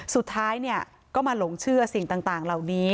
ไม่ต้องมาหลงเชื่อสิ่งต่างเหล่านี้